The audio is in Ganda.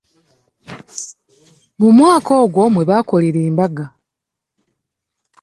Mu mwaka ogwo mwe baakolera embaga.